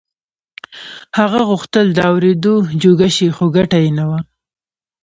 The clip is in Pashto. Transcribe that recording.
هغه غوښتل د اورېدو جوګه شي خو ګټه يې نه وه.